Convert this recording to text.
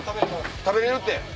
食べれるって！